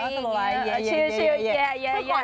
สโลไลฟ์ชิล